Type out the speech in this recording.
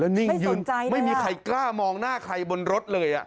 นิ่งยืนไม่มีใครกล้ามองหน้าใครบนรถเลย